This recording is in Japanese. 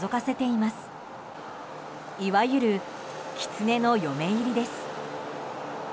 いわゆる狐の嫁入りです。